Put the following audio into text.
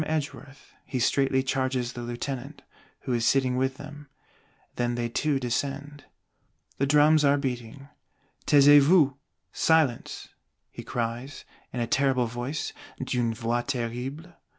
Edgeworth," he straitly charges the Lieutenant who is sitting with them: then they two descend. The drums are beating: "Taisez vous!" he cries "in a terrible voice (d'une voix terrible)."